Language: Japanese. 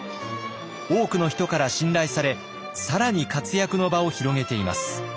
多くの人から信頼され更に活躍の場を広げています。